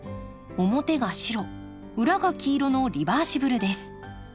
表が白裏が黄色のリバーシブルです。